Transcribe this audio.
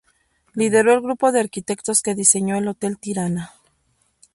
Lideró el grupo de arquitectos que diseñó el Hotel Tirana.